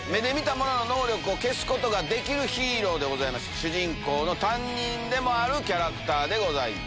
主人公の担任でもあるキャラクターでございます。